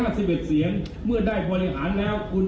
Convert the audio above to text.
ไม่ได้เห็นเพื่อนกูอยู่ในสายตาน